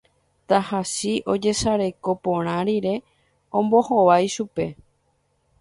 Tahachi ojesareko porã rire ombohovái chupe